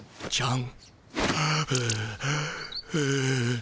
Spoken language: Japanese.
ん？